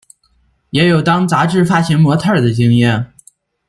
也有当杂志发型模特儿的经验。